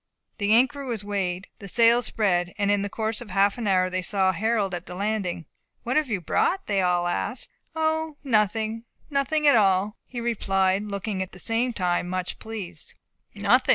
The anchor was weighed, the sail spread, and in the course of half an hour they saw Harold at the landing. "What have you brought?" they all asked. "O, nothing nothing at all," he replied, looking at the same time much pleased. "Nothing!"